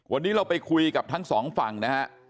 วันนี้เราไปคุยกับทั้งสองฝั่งนะฮะ